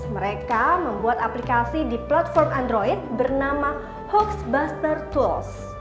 mereka membuat aplikasi di platform android bernama hoax buster tools